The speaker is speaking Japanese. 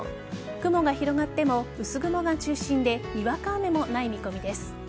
雲が広がっても薄雲が中心でにわか雨もない見込みです。